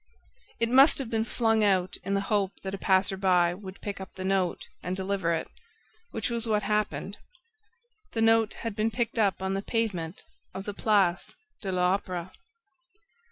It must have been flung out in the hope that a passer by would pick up the note and deliver it, which was what happened. The note had been picked up on the pavement of the Place de l'Opera.